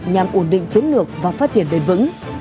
nhằm ổn định chiến lược và phát triển bền vững